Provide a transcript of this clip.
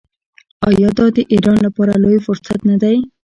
آیا دا د ایران لپاره لوی فرصت نه دی؟